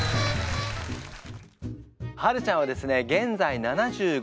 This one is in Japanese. はるちゃんはですね現在７５歳。